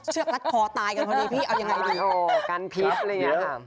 เชือกรัดคอตายกันพอดีพี่เอายังไงดี